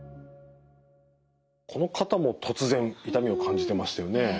この方も突然痛みを感じてましたよね。